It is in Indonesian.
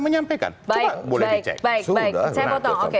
menyampaikan coba boleh dicek